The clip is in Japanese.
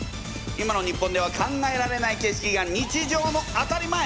今の日本では考えられない景色が日常の当たり前！